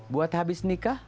buat habis nikah